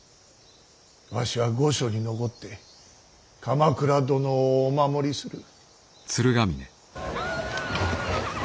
わしは御所に残って鎌倉殿をお守りする。